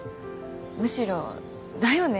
むしろ「だよね」